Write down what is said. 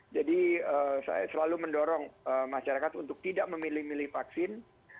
jadi saya selalu mendorong masyarakat untuk tidak memilih milih vaksin